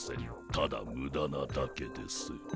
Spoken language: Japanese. ただムダなだけです。